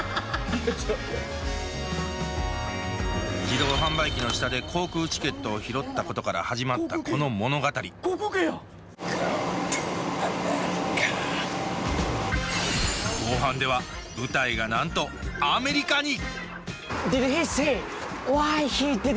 自動販売機の下で航空チケットを拾ったことから始まったこの物語後半では舞台がなんとアメリカに！